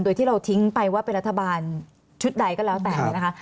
โดยที่เราทิ้งไปว่าเป็นรัฐบาลชุดใดก็แล้วแต่เนี่ยนะคะ